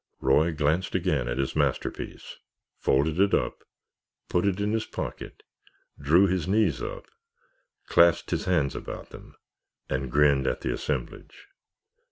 Roy glanced again at his masterpiece, folded it up, put it in his pocket, drew his knees up, clasped his hands about them, and grinned at the assemblage.